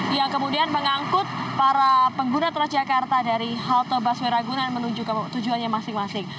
yang kemudian mengangkut para pengguna transjakarta dari halte busway ragunan menuju ke tujuannya masing masing